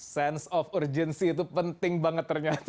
sense of urgency itu penting banget ternyata